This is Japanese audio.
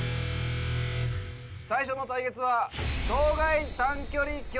最初の対決は長